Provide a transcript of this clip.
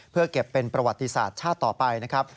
เพื่อเก็บเป็นประวัติศาสตร์ชาติต่อไปนะครับ